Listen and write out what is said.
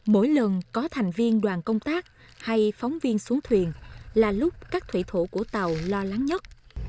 mỗi lần có thành viên đoàn công tác hay phóng viên xuống thuyền là lúc các thủy thủ của tàu lo lắng nhất